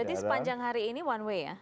berarti sepanjang hari ini one way ya